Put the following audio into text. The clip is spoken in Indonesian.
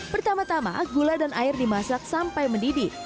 pertama tama gula dan air dimasak sampai mendidih